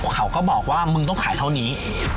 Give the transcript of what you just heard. เขาก็บอกว่ามึงต้องขายเท่านี้